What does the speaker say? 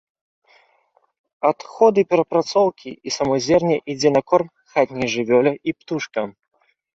Адходы перапрацоўкі і само зерне ідзе на корм хатняй жывёле і птушкам.